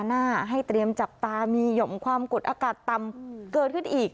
น้ำจะขึ้นสูงช่วงประมาณ๕ทุ่มอะไรประมาณนี้ค่ะ